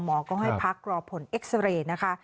หมอก็ให้พักรอผลเอ็กซาเรย์นะคะ